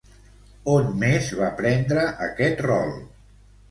On més va prendre aquest rol?